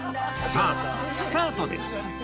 さあスタートです！